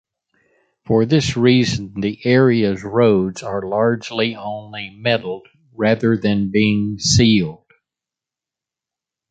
For this reason, the area's roads are largely only metalled rather than being sealed.